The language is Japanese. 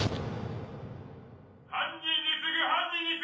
・犯人に告ぐ犯人に告ぐ！